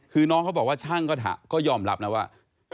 คือน้องเขาบอกว่าช่างก็ยอมรับนะว่า